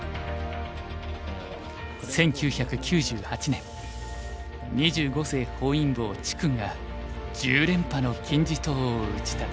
１９９８年二十五世本因坊治勲が１０連覇の金字塔を打ち立てた。